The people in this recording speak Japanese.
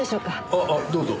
ああどうぞ。